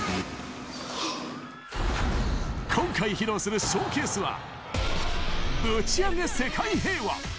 今回披露するショーケースは、ブチアゲ世界平和。